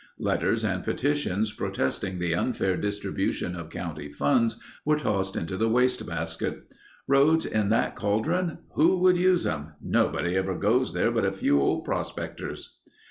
Letters and petitions protesting the unfair distribution of county funds were tossed into the waste basket. "Roads in that cauldron? Who would use 'em? Nobody ever goes there but a few old prospectors."